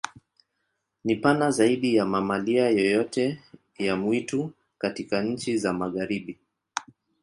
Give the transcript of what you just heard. Ni pana zaidi ya mamalia yoyote ya mwitu katika nchi za Magharibi.